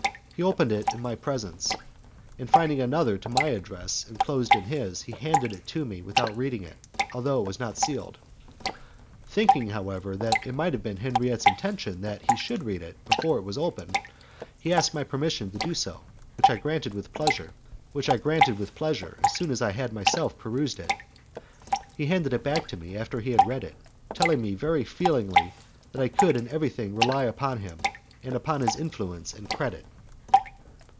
He opened it in my presence, and finding another to my address enclosed in his, he handed it to me without reading it, although it was not sealed. Thinking, however, that it might have been Henriette's intention that he should read it because it was open, he asked my permission to do so, which I granted with pleasure as soon as I had myself perused it. He handed it back to me after he had read it, telling me very feelingly that I could in everything rely upon him and upon his influence and credit.